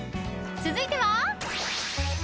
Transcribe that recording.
［続いては］